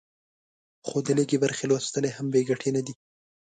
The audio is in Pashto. خو د لږې برخې لوستل یې هم بې ګټې نه دي.